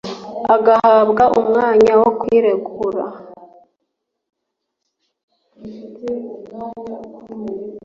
agahabwa umwanya wo kwiregura,